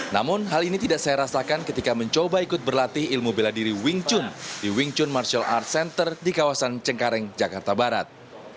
namun hal ini tidak saya rasakan ketika mencoba ikut berlatih ilmu bela diri wing chun di wing chun martial arts center di kawasan cengkareng jakarta barat